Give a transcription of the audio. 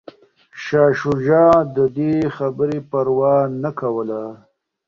شاه شجاع د دې خبرې پروا نه کوله.